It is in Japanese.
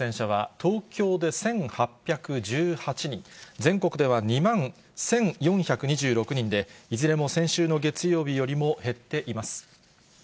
全国では２万１４２６人で、いずれも先週の月曜日よりも減っています。